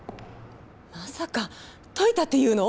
まさかといたって言うの？